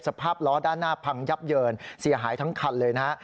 สภาพล้อด้านหน้าพังยับเยินเสียหายทั้งคันเลยนะฮะ